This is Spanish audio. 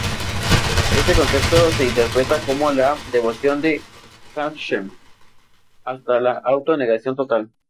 Este concepto se interpreta como la devoción a Hashem hasta la auto-negación total.